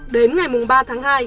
đến ngày ba tháng hai